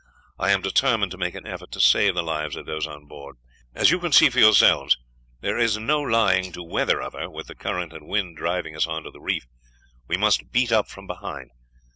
I am determined to make an effort to save the lives of those on board. As you can see for yourselves there is no lying to weather of her, with the current and wind driving us on to the reef; we must beat up from behind.